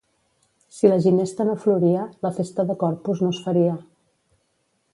Si la ginesta no floria, la festa de Corpus no es faria.